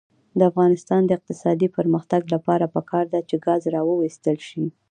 د افغانستان د اقتصادي پرمختګ لپاره پکار ده چې ګاز راوویستل شي.